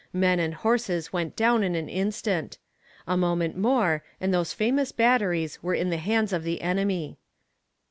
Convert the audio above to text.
Men and horses went down in an instant. A moment more and those famous batteries were in the hands of the enemy.